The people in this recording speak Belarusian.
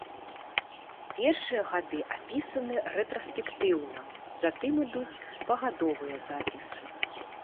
Першыя гады апісаны рэтраспектыўна, затым ідуць пагадовыя запісы.